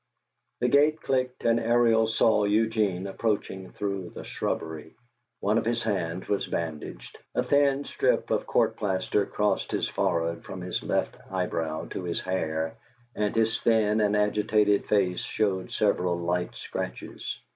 The gate clicked, and Ariel saw Eugene approaching through the shrubbery. One of his hands was bandaged, a thin strip of court plaster crossed his forehead from his left eyebrow to his hair, and his thin and agitated face showed several light scratches.